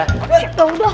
eh dong dong